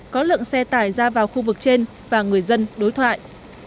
có lượng xe tải ra vào khu vực trên và người dân đối thoại